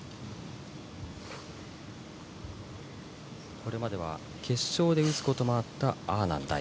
これまでは決勝で打つこともあったアーナンダイ。